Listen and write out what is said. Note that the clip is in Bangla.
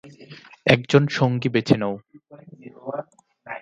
একজন সঙ্গী বেছে নাও।